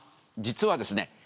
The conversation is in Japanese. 実はですね